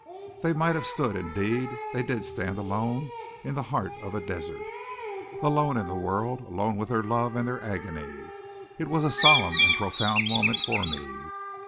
They might have stood, indeed, they did stand alone in the heart of a desert alone in the world alone with their love and their agony. It was a solemn and profound moment for me.